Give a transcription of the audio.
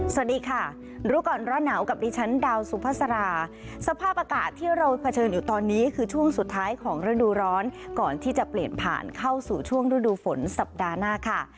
สวัสดีค่ะรู้ก่อนร้อนหนาวกับดิฉันดาวสุภาษาสภาพอากาศที่เราเผชิญอยู่ตอนนี้คือช่วงสุดท้ายของฤดูร้อนก่อนที่จะเปลี่ยนผ่านเข้าสู่ช่วงฤดูฝนสัปดาห์หน้าค่ะ